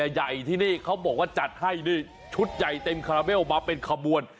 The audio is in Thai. ใหญ่ที่นี่เขาบอกว่าจัดให้ชุดใหญ่เต็มคาราเบลมาเป็นขบวน